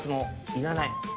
いらない。